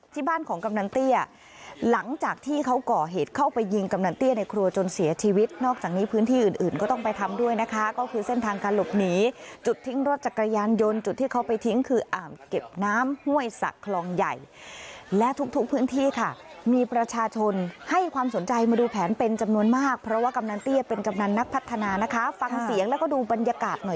เสียชีวิตนอกจากนี้พื้นที่อื่นอื่นก็ต้องไปทำด้วยนะคะก็คือเส้นทางการหลบหนีจุดทิ้งรถจากกระยานยนต์จุดที่เขาไปทิ้งคืออ่ามเก็บน้ำห้วยสักคลองใหญ่และทุกพื้นที่ค่ะมีประชาชนให้ความสนใจมาดูแผนเป็นจำนวนมากเพราะว่ากำลังเตี้ยเป็นกำนักพัฒนานะคะฟังเสียงแล้วก็ดูบรรยากาศหน่